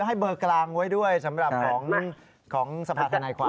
ให้เบอร์กลางไว้ด้วยสำหรับของสภาธนายความ